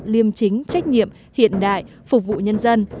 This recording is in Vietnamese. liêm chính trách nhiệm hiện đại phục vụ nhân dân